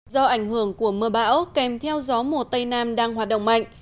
do ảnh hưởng của mưa bão kèm theo gió mùa tây nam đang hoạt động mạnh